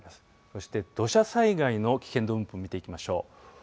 そして土砂災害の危険度分布を見ていきましょう。